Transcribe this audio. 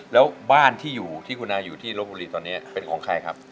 แล้วบ้านที่อยู่ที่คุณอาอยู่ที่ลบบุรีตอนนี้เป็นของใครครับ